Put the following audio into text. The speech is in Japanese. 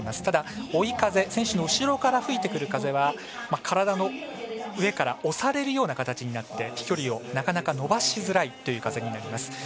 ただ、追い風選手の後ろから吹いてくる風は体の上から押されるような形になって飛距離をなかなか伸ばしづらいという風になります。